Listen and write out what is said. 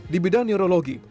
di bidang neurologi